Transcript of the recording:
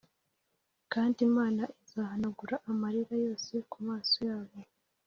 kandi Imana izahanagura amarira yose ku maso yabo.”